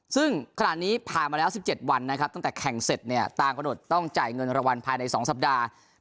ซึ่งขณะนี้ผ่านมาแล้ว๑๗วันนะครับตั้งแต่แข่งเสร็จเนี่ยตามกำหนดต้องจ่ายเงินรางวัลภายใน๒สัปดาห์